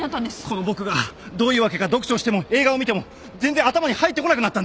この僕がどういうわけか読書をしても映画を見ても全然頭に入ってこなくなったんだ。